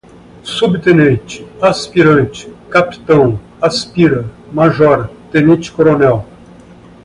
Subtenente, Aspirante, Capitão, aspira, Major, Tenente-Coronel